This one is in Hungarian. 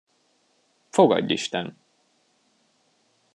Fogadj isten!